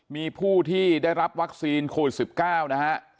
มีผู้ที่ได้รับวัคซีนโควิด๑๙นะฮะ